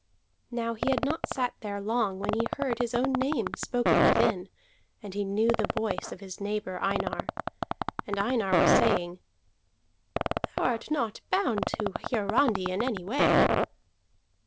Now he had not sat there long when he heard his own name spoken within, and he knew the voice of his neighbor Einar. And Einar was saying, "Thou art not bound to Hiarandi in any way."